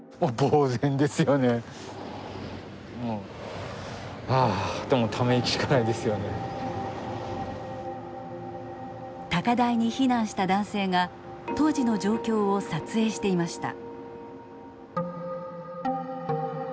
もうはあって高台に避難した男性が当時の状況を撮影していました。